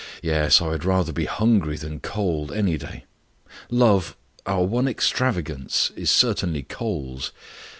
"Yes, I would rather be hungry than cold, any day. Love, our one extravagance is certainly coals.